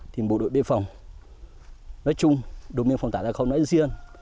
thì bộ đội biên phòng nói chung đồn biên phòng tả gia khâu nói riêng